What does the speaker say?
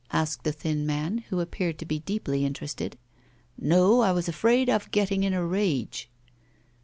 asked the thin man, who appeared to be deeply interested. 'No, I was afraid of getting in a rage.